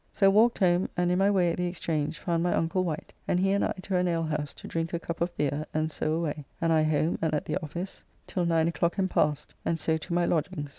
So walked home and in my way at the Exchange found my uncle Wight, and he and I to an alehouse to drink a cup of beer, and so away, and I home and at the office till 9 o'clock and past, and so to my lodgings.